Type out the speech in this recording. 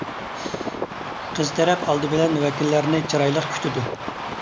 قىز تەرەپ ئالدى بىلەن ۋەكىللەرنى چىرايلىق كۈتىدۇ.